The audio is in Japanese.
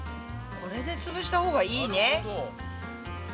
これでつぶしたほうがいいね。